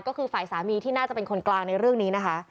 ก็คือฝ่ายสามีที่น่าจะเป็นคนกลางในเรื่องนี้นะคะ